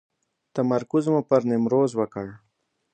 تمرکز مو پر نیمروز وکړ.